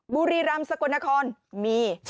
บุรีรำสกลนครมี